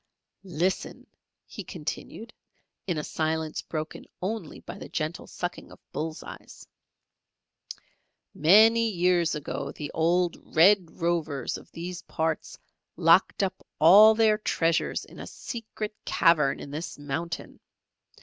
"Listen," he continued, in a silence broken only by the gentle sucking of bull's eyes. "Many years ago the old Red Rovers of these parts locked up all their treasures in a secret cavern in this mountain.